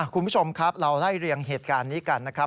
คุณผู้ชมครับเราไล่เรียงเหตุการณ์นี้กันนะครับ